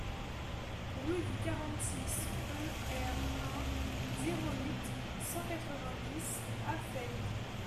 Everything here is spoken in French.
Rue du quarante-six e R.un., zéro huit, cent quatre-vingt-dix Asfeld